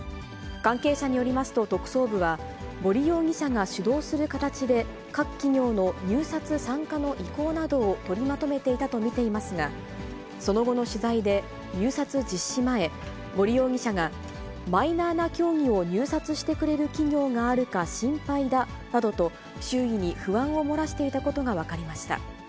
関係者によりますと、特捜部は、森容疑者が主導する形で各企業の入札参加の意向などを取りまとめていたと見ていますが、その後の取材で、入札実施前、森容疑者が、マイナーな競技を入札してくれる企業があるか心配だなどと、周囲に不安を漏らしていたことが分かりました。